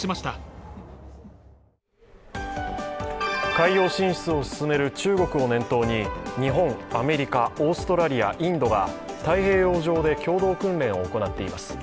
海洋進出を進める中国を念頭に、日本、アメリカ、オーストラリア、インドが太平洋上で共同訓練を行っています。